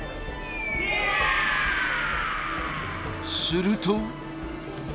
すると。